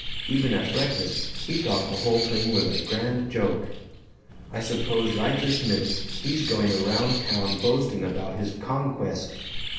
Even at breakfast he thought the whole thing was a grand joke. I suppose right this minute he's going around town boasting about his 'conquest.'